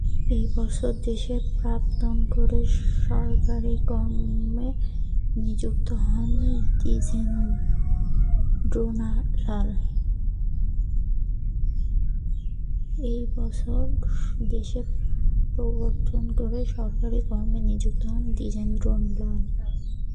এই বছরই দেশে প্রত্যাবর্তন করে সরকারি কর্মে নিযুক্ত হন দ্বিজেন্দ্রলাল।